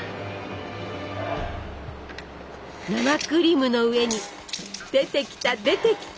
生クリームの上に出てきた出てきた！